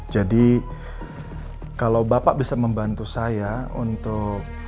jadi kalau bapak bisa membantu saya untuk